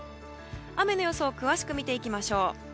雨の予想詳しく見ていきましょう。